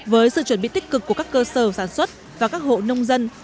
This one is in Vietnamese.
với sự chuẩn bị tích cực của các cơ sở sản xuất và các hộ nông dân